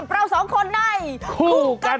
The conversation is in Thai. สวัสดีครับ